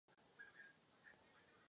To je hlavním smyslem mého příspěvku.